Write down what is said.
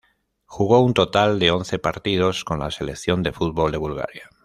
Jugó un total de once partidos con la selección de fútbol de Bulgaria.